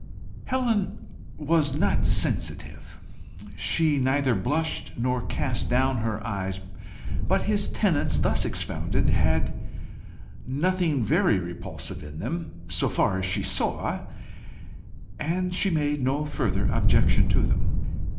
Helen was not sensitive. She neither blushed nor cast down her eyes. But his tenets, thus expounded, had nothing very repulsive in them so far as she saw, and she made no further objection to them.